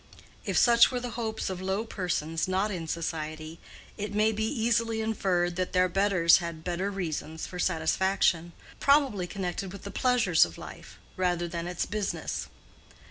If such were the hopes of low persons not in society, it may be easily inferred that their betters had better reasons for satisfaction, probably connected with the pleasures of life rather than its business.